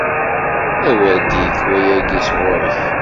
A wer d-yekk wayagi sɣur-k!